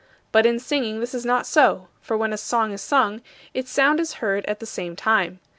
But in singing this is not so. For when a song is sung, its sound is heard at the same time.